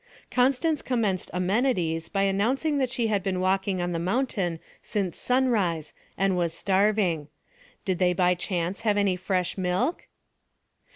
Constance commenced amenities by announcing that she had been walking on the mountain since sunrise and was starving. Did they by chance have any fresh milk?